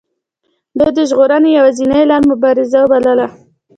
دوی د ژغورنې یوازینۍ لار مبارزه بلله.